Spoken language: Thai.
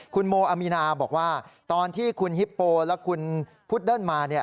คุณโมอามีนาบอกว่าตอนที่คุณฮิปโปและคุณพุดเดิ้ลมาเนี่ย